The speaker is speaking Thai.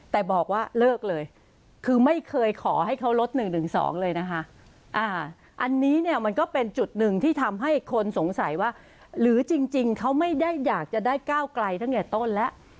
แต่บอกว่าเลิกเลยคือไม่เคยขอให้เขาลด๑๑๒เลยนะคะอันนี้เนี่ยมันก็เป็นจุดหนึ่งที่ทำให้คนสงสัยว่าหรือจริงเขาไม่ได้อยากจะได้ก้าวไกลตั้งแต่ต้นแล้ว